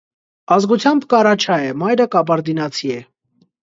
Ազգությամբ կարաչայ է, մայրը կաբարդինացի է։